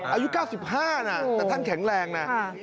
อายุ๙๕นะแต่ท่านแข็งแรงนะ